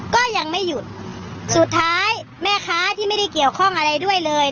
ก็ยังไม่หยุดสุดท้ายแม่ค้าที่ไม่ได้เกี่ยวข้องอะไรด้วยเลย